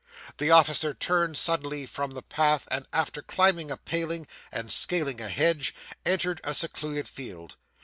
The officer turned suddenly from the path, and after climbing a paling, and scaling a hedge, entered a secluded field.